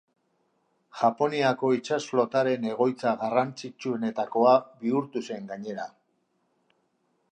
Japoniako itsas flotaren egoitza garrantzitsuenetakoa bihurtu zen gainera.